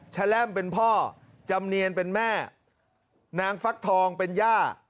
แร่มเป็นพ่อจำเนียนเป็นแม่นางฟักทองเป็นย่า